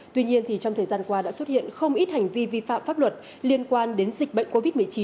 tuy nhiên trong thời gian qua đã xuất hiện không ít hành vi vi phạm pháp luật liên quan đến dịch bệnh covid một mươi chín